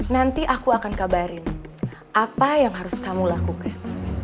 nanti aku akan kabarin apa yang harus kamu lakukan